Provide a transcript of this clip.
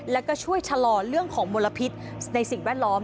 แล้วก็ช่วยชะลอเรื่องของมลพิษในสิ่งแวดล้อม